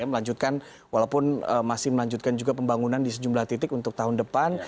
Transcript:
melanjutkan walaupun masih melanjutkan juga pembangunan di sejumlah titik untuk tahun depan